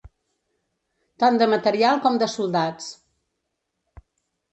Tant de material com de soldats.